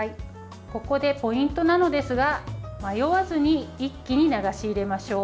ここでポイントなのですが迷わずに一気に流し入れましょう。